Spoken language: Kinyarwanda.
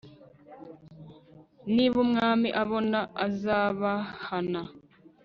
niba umwami abona azabahana